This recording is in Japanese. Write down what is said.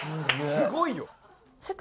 すごいよ。